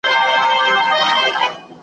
تاریخ د تېرو پېښو یاد ساتي.